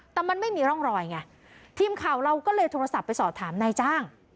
แต่มันไม่มีร่องรอยไงทีมข่าวเราก็เลยโทรศัพท์ไปสอบถามนายจ้าง